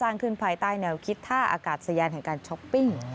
ขึ้นภายใต้แนวคิดท่าอากาศยานแห่งการช้อปปิ้ง